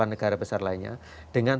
negara besar lainnya dengan